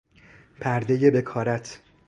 پردهٔ بکارت